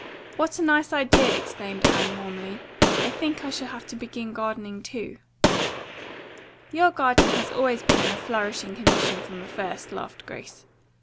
"What a nice idea!" exclaimed Anne warmly. "I think I shall have to begin gardening, too." "Your garden has always been in a flourishing condition from the first," laughed Grace.